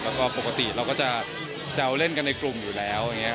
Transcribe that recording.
แล้วก็ปกติเราก็จะแซวเล่นกันในกลุ่มอยู่แล้วอย่างนี้